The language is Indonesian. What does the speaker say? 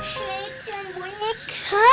si setan bunik